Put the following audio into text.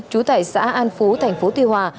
chú tại xã an phú tp tuy hòa